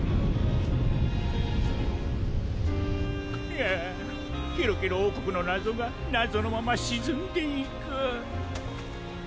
ああケロケロおうこくのなぞがなぞのまましずんでいく。